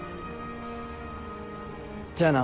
じゃあな。